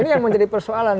ini yang menjadi persoalan